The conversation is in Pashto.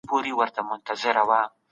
پخوانیو نظریاتو ته په ځیر وګورئ.